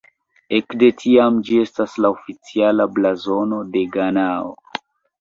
Ekde tiam ĝi estas la oficiala blazono de Ganao.